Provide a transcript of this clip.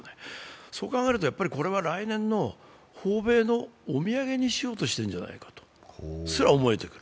そう考えるとこれは来年の訪米のお土産にしようとしているんじゃないかとすら思えてくる。